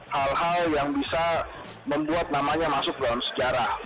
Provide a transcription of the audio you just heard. hal hal yang bisa membuat namanya masuk dalam sejarah